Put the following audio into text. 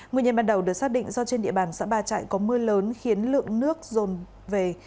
nguyên nhân ban đầu được xác định do trên địa bàn xã ba trại có mưa lớn khiến lượng nước rồn về